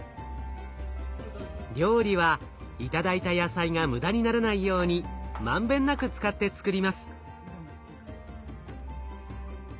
料理は頂いた野菜が無駄にならないように満遍なく使って作ります。